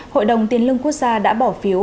hội đồng tiền lương quốc gia đã bỏ phiếu